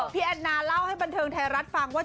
แอนนาเล่าให้บันเทิงไทยรัฐฟังว่า